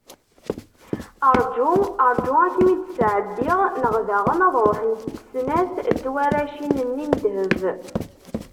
Arǧu, arǧu ad kem-id-sɛeddiɣ, neɣ daɣen ad ruḥent snat n twaracin-nni n ddheb.